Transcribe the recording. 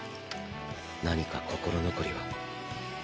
何か心残りは？